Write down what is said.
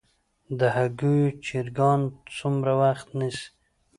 د هګیو چرګان څومره وخت نیسي؟